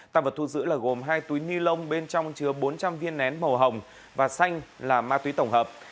tăng vật thu giữ là gồm hai túi ni lông bên trong chứa bốn trăm linh viên nén màu hồng và xanh là ma túy tổng hợp